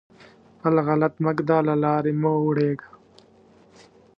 پل غلط مه ږده؛ له لارې مه اوړېږه.